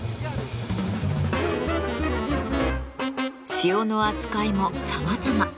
塩の扱いもさまざま。